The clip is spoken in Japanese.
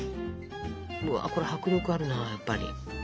うわこれ迫力あるなやっぱり。